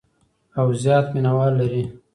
او زیات مینوال لري.